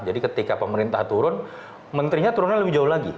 jadi ketika pemerintah turun menterinya turunnya lebih jauh lagi